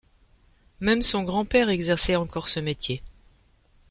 Même son grand-père exerçait encore ce métier.